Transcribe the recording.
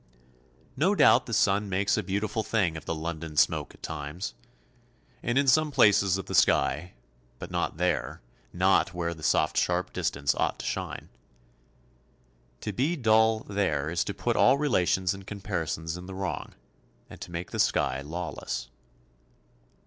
No doubt the sun makes a beautiful thing of the London smoke at times, and in some places of the sky; but not there, not where the soft sharp distance ought to shine. To be dull there is to put all relations and comparisons in the wrong, and to make the sky lawless.